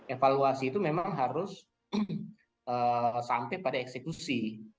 evaluasi itu memang harus sampai pada eksekusi